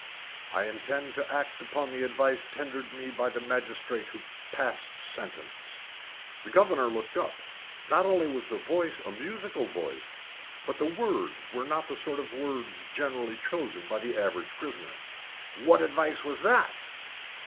"I intend to act upon the advice tendered me by the magistrate who passed sentence." The governor looked up. Not only was the voice a musical voice, but the words were not the sort of words generally chosen by the average prisoner. "What advice was that?"